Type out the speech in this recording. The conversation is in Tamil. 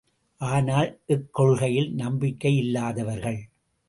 ஆனால், இக்கொள்கையில் நம்பிக்கையில்லாதவர்கள்.